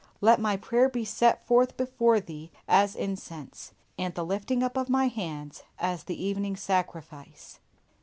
"LET MY PRAYER BE SET FORTH BEFORE THEE AS INCENSE: AND THE LIFTING UP OF MY HANDS AS THE EVENING SACRIFICE."